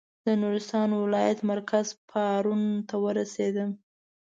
د نورستان ولایت مرکز پارون ته ورسېدم.